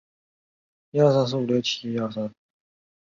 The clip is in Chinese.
周柏豪小时候居住在青衣长康邨。